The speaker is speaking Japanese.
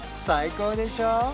最高でしょ？